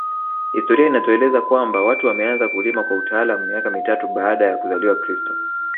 Historia inatueleza kwamba watu wameanza kulima kwa utaalamu miaka mitatu baada ya kuzaliwa kristo